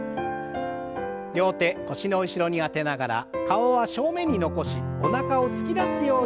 両手腰の後ろに当てながら顔は正面に残しおなかを突き出すようにして